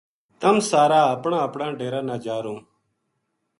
تم سار اپنا اپنا ڈیرا نا جا رہوں